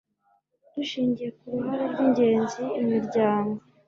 dushingiye k uruhare rw ingenzi imiryango